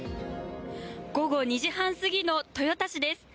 午後２時半過ぎの豊田市です。